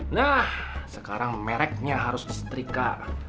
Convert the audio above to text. nah sekarang mereknya harus setrika